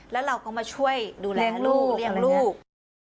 แล้วเราก็มาช่วยดูแลลูกเลี้ยงลูก